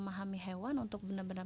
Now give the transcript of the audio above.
nah kalau kita kalau mel